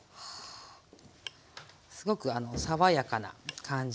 すごく爽やかな感じで。